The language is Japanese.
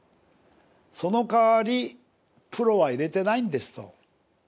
その代わりプロは入れてないんですと。